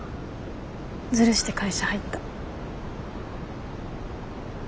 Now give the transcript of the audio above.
ずるして会社入った。